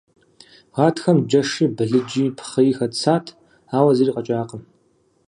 Гъатхэм джэши, балыджи, пхъыи хэтсат, ауэ зыри къэкӏакъым.